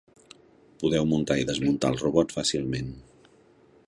Podeu muntar i desmuntar el robot fàcilment.